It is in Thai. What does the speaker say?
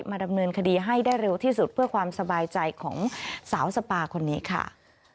ดำเนินคดีให้ได้เร็วที่สุดเพื่อความสบายใจของสาวสปาคนนี้ค่ะ